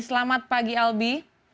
selamat pagi albi